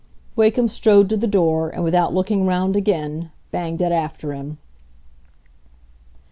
Wakem strode to the door, and without looking round again, banged it after him.